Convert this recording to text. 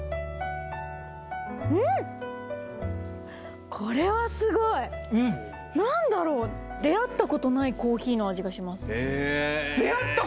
うんっこれはすごい何だろう出会ったことないコーヒーの味